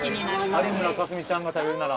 有村架純ちゃんが食べるなら。